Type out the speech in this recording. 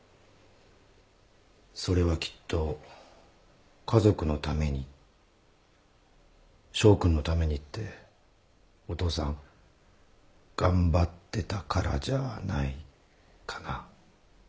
それはきっと家族のために翔君のためにってお父さん頑張ってたからじゃないかな。